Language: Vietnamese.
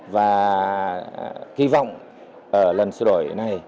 và kỳ vọng lần xử lý này